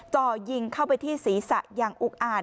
จ่อยิงเข้าไปที่ศีรษะอย่างอุกอ่าน